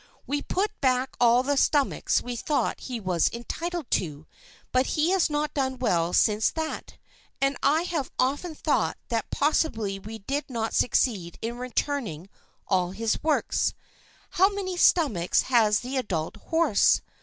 We put back all the stomachs we thought he was entitled to, but he has not done well since that, and I have often thought that possibly we did not succeed in returning all his works. How many stomachs has the adult horse?